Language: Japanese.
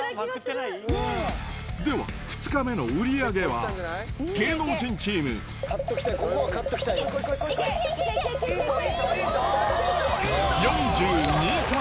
では、２日目の売り上げは、芸能人チーム、４２皿。